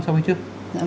sau khi trước